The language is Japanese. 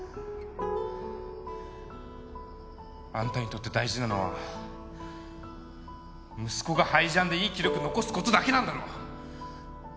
あんたにとって大事なのは息子がハイジャンでいい記録残すことだけなんだろ！